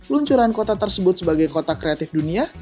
luncuran kota tersebut sebagai kota kreatif dunia